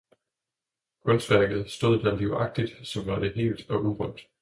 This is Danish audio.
Kunstværket stod der livagtigt som da det var helt og urørt.